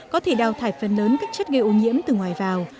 có thể đào thải phần lớn các chất gây ô nhiễm từ ngoài vào